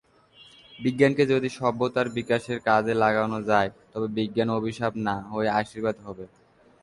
বিজ্ঞানকে যদি সভ্যতার বিকাশে কাজে লাগানো যায়, তবে বিজ্ঞান অভিশাপ না হয়ে আশীর্বাদ হবে।